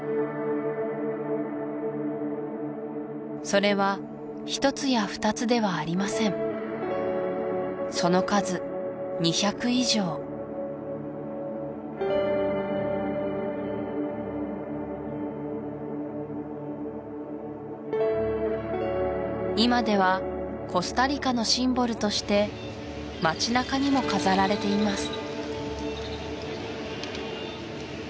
それは一つや二つではありませんその数２００以上今ではコスタリカのシンボルとして町なかにも飾られています